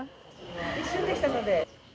一瞬でしたので。